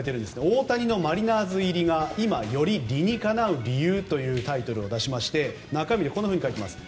大谷のマリナーズ入りが今、より理にかなう理由というタイトルを出しまして中身をこう書いています。